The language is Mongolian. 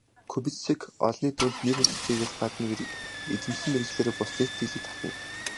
Кубицчек олны дунд нэр хүндтэйгээс гадна эзэмшсэн мэргэжлээрээ бусдын сэтгэлийг татна.